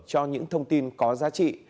cho những thông tin có giá trị